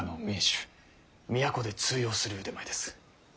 都で通用する腕前です。